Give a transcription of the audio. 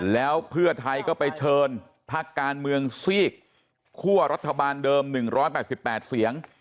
แล้วเพื่อไทยก็ไปเชิญพักการเมืองซีกคั่วรัฐบาลเดิม๑๘๘เสียง